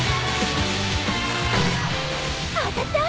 当たった！